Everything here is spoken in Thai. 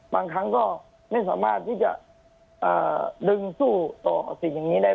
บางครั้งก็ไม่สามารถที่จะดึงสู้ต่อสิ่งอย่างนี้ได้